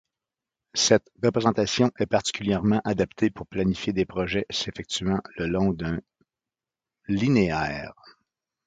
Cette représentation est particulièrement adaptée pour planifier des projets s'effectuant le long d'un linéaire.